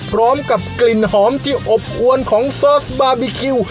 พร้อมกับกลิ่นหอมที่อบอวนของซอสบาร์บีคิว